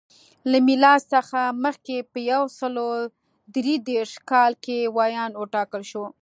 له میلاد څخه مخکې په یو سل درې دېرش کال کې ویاند وټاکل شو.